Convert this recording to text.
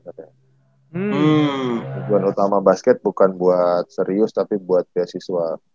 tujuan utama basket bukan buat serius tapi buat beasiswa